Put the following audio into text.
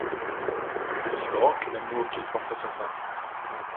Aussi grand que l'amour qu'il porte à sa femme.